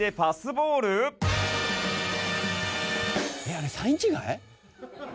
あれサイン違い？